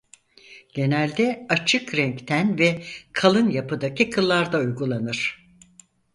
Genelde açık renk ten ve kalın yapıdaki kıllarda uygulanır.